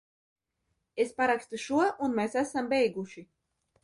Es parakstu šo, un mēs esam beiguši?